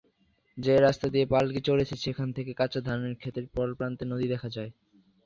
যে রাস্তা দিয়ে পালকি চলেছে সেখান থেকে কাঁচা ধানের খেতের পরপ্রান্তে নদী দেখা যায়।